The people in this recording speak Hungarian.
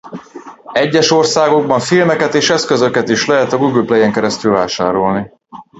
Egyes országokban filmeket és eszközöket is lehet a Google Play-en keresztül vásárolni.